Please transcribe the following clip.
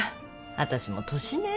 私も年ねえ